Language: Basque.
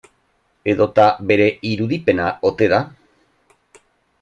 Edota bere irudipena ote da?